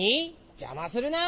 じゃまするな！